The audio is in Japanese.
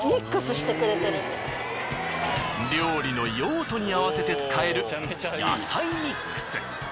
しかもおどろくのは料理の用途に合わせて使える野菜ミックス。